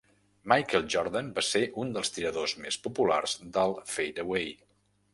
Michael Jordan va ser un dels tiradors més populars del fadeaway.